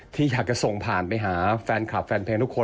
ที่อยากจะส่งผ่านไปหาแฟนคลับแฟนเพลงทุกคน